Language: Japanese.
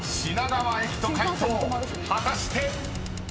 ［果たして⁉］